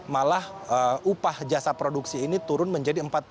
malah upah jasa produksi ini turun menjadi empat puluh